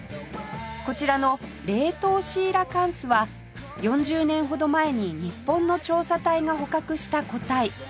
こちらの冷凍シーラカンスは４０年ほど前に日本の調査隊が捕獲した個体